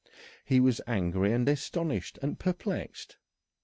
He was angry and astonished and perplexed.